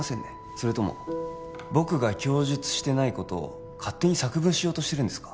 それとも僕が供述してないことを勝手に作文しようとしてますか？